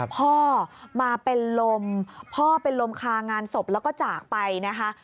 พ่อมาเป็นลมพ่อเป็นลมคางานศพแล้วก็จากไปนะคะ